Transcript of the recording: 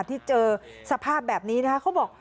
ที่เจอสภาพแบบนี้นะครับ